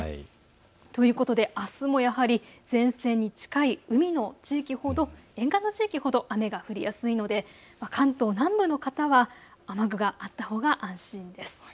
ということであすもやはり前線に近い海の地域ほど沿岸の地域ほど雨が降りやすいので関東南部の方は雨具があったほうが安心です。